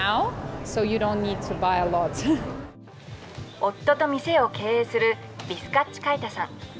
夫と店を経営するヴィスカッチカイタさん。